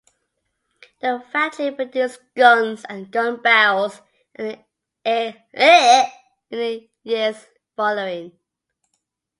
The factory produced guns and gun barrels in the years following.